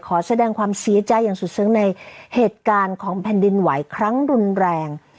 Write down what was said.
ขอแสดงความเสียใจอย่างสุดซึ้งในเหตุการณ์ของแผ่นดินไหวครั้งรุนแรง